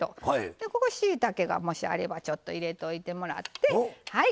でここしいたけがもしあればちょっと入れといてもらってはい。